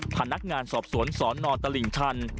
พันธุ์นักงานสอบสวนศรนตลิงชัน